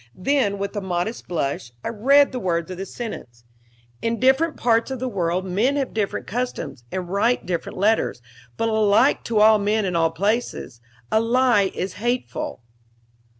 Then, with a modest blush, I read the words of the sentence: "In different parts of the world men have different customs, and write different letters; but alike to all men in all places, a lie is hateful."